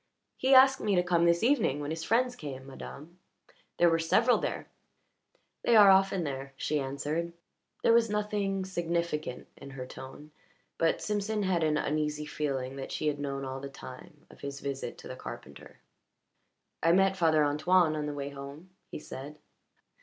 "He asked me to come this evening, when his friends came, madame. There were several there." "They are often there," she answered. There was nothing significant in her tone, but Simpson had an uneasy feeling that she had known all the time of his visit to the carpenter. "I met Father Antoine on the way home," he said.